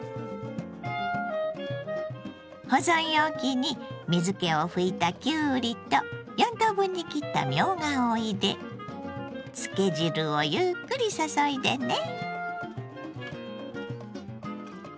保存容器に水けを拭いたきゅうりと４等分に切ったみょうがを入れ漬け汁をゆっくり注いでね。